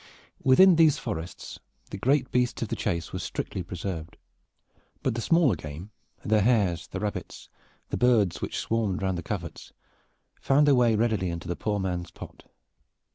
Within these forests the great beasts of the chase were strictly preserved, but the smaller game, the hares, the rabbits, the birds, which swarmed round the coverts, found their way readily into the poor man's pot.